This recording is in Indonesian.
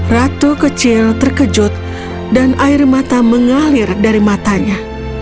ratu kecil terkejut dan air mata mengalir dari matanya